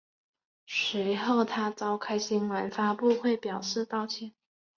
随后他召开新闻发布会表示道歉。